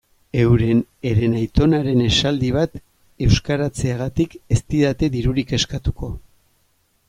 Euren herenaitonaren esaldi bat euskaratzeagatik ez didate dirurik eskatuko.